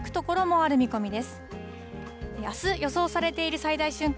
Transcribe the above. あす予想されている最大瞬間